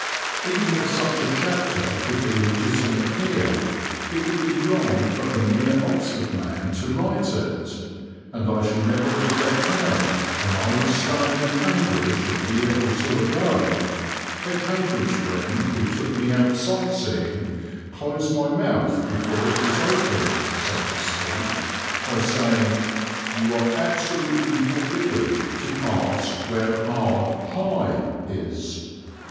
Even if such a chapter could be legitimate here it would be wrong for a mere Oxford man to write it, and I shall never forget how, when I was staying at Cambridge a year or two ago, a Cambridge friend who took me out sight seeing closed my mouth before it was opened, so to speak, by saying, "You are absolutely forbidden to ask where our 'High' is."